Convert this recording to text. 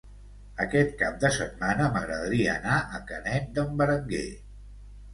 Aquest cap de setmana m'agradaria anar a Canet d'en Berenguer.